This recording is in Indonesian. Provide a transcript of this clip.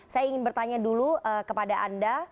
saya ingin bertanya dulu kepada anda